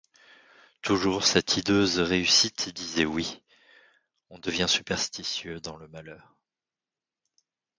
Toujours cette hideuse réussite disait oui ; on devient superstitieux dans le malheur.